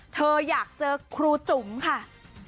เธออยากเจอครูจุ๋มค่ะ